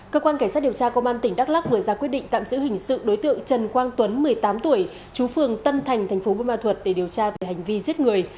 cơ quan cảnh sát điều tra công an tp đắc lắc vừa ra quyết định tạm giữ hình sự đối tượng trần quang tuấn một mươi tám tuổi chú phương tân thành tp bộ ma thuật để điều tra về hành vi giết người